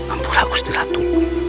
ampura gusti ratu